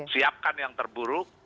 siapkan yang terburuk